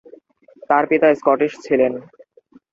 তার পিতা স্কটিশ ছিলেন।